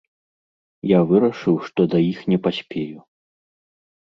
Я вырашыў, што да іх не паспею.